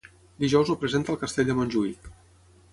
dijous el presenta al castell de Montjuïc